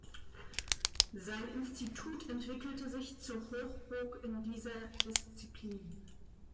Sein Institut entwickelte sich zur Hochburg in dieser Disziplin.